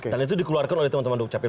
dan itu dikeluarkan oleh teman teman dukcapil